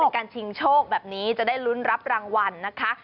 การชิงโชคแบบนี้จะได้ลุ้นรับรางวัลนะคะ